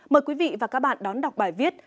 mời quý vị và các bạn đón đọc bài viết